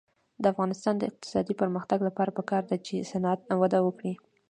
د افغانستان د اقتصادي پرمختګ لپاره پکار ده چې صنعت وده وکړي.